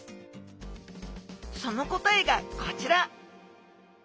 その答えがこちら！